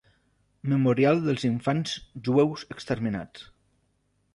Memorial dels Infants Jueus Exterminats.